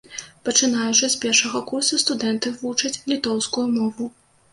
Пачынаючы з першага курса студэнты вучаць літоўскую мову.